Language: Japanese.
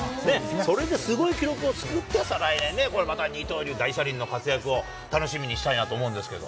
それですごい記録を作って、再来年ね、これまた二刀流大車輪の活躍を楽しみにしたいなと思うんですけれど。